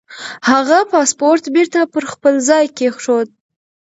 هغه پاسپورت بېرته پر خپل ځای کېښود.